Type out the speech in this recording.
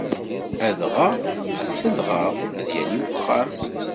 Adɣaɣ af wedɣaɣ, ad yali wexxam.